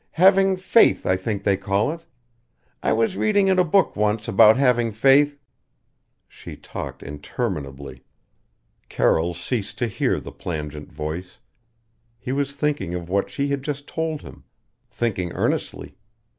Having faith, I think they call it. I was reading in a book once about having faith " She talked interminably. Carroll ceased to hear the plangent voice. He was thinking of what she had just told him thinking earnestly.